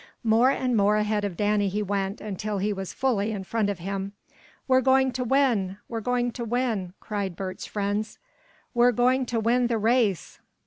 More and more ahead of Danny he went, until he was fully in front of him. "We're going to win! We're going to win!" cried Bert's friends. "We're going to win the race!"